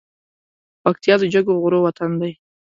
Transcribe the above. پکتيا د جګو غرو وطن دی